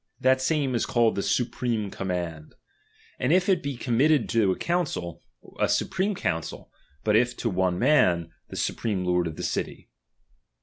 That same is called the supreme command ; and if it be committed to a council, a supreme council, but if to one man, the supreme lord of the city.